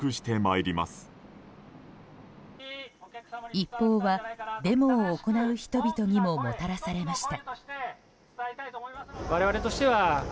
一報はデモを行う人々にももたらされました。